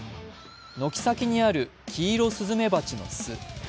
軒先にあるキイロスズメバチの巣。